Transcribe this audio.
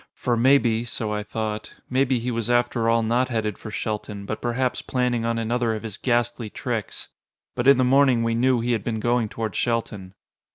For maybe, so I thought, maybe he was after all not headed for Shelton, but perhaps planning on another of his ghastly tricks. But in the morning we knew he had been going toward Shelton.